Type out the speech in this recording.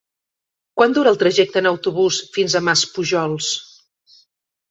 Quant dura el trajecte en autobús fins a Maspujols?